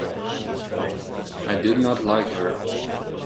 I did not like her.